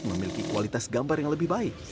memiliki kualitas gambar yang lebih baik